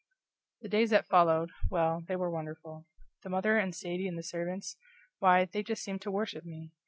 The days that followed well, they were wonderful. The mother and Sadie and the servants why, they just seemed to worship me.